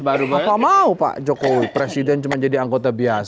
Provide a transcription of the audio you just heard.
bapak mau pak jokowi presiden cuma jadi anggota biasa